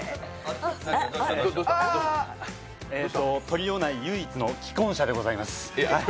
トリオ内唯一の既婚者でございます。